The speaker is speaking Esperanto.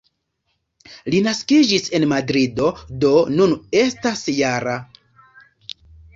Li naskiĝis en Madrido, do nun estas -jara.